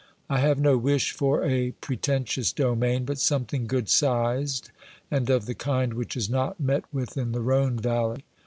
I have no wish for a pre tentious domain, but something good sized and of the kind which is not met with in the Rhone valley.